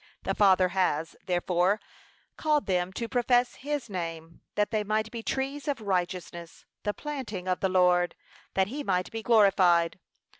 The Father has, therefore, called them to profess his name, that they might be trees of righteousness, the planting of the Lord, that he might be glorified.